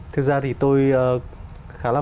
thực ra thì tôi khá là